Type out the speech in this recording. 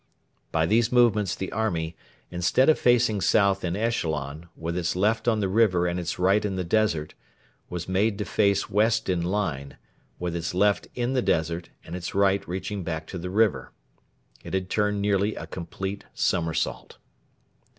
By these movements the army, instead of facing south in echelon, with its left on the river and its right in the desert, was made to face west in line, with its left in the desert and its right reaching back to the river. It had turned nearly a complete somersault.